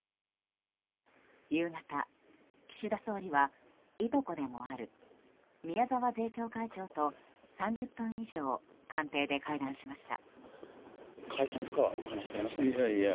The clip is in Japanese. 夕方、岸田総理はいとこでもある宮沢税調会長と３０分以上官邸で会談しました。